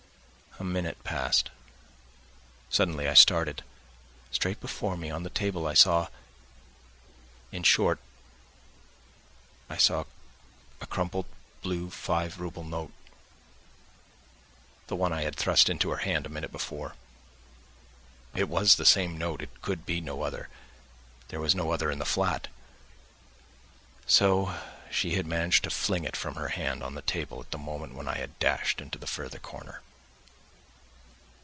A minute passed, suddenly I started; straight before me on the table I saw.... In short, I saw a crumpled blue five rouble note, the one I had thrust into her hand a minute before. It was the same note; it could be no other, there was no other in the flat. So she had managed to fling it from her hand on the table at the moment when I had dashed into the further corner.